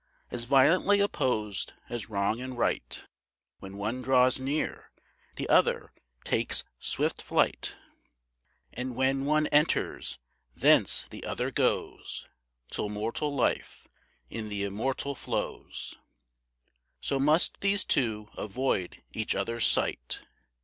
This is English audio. As violently opposed as wrong and right, When one draws near, the other takes swift flight And when one enters, thence the other goes. Till mortal life in the immortal flows, So must these two avoid each other's sight.